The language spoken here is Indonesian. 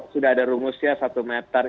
sudah ada rumusnya satu meter